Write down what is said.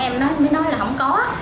em mới nói là không có